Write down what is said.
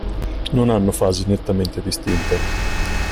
Non hanno fasi nettamente distinte.